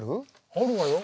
あるわよ。